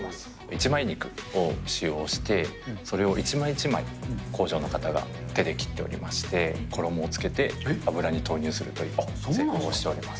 一枚肉を使用して、それを一枚一枚、工場の方が手で切っておりまして、衣をつけて、油に投入するという製法をしております。